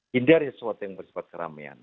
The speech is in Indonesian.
hindari sesuatu yang bersifat keramaian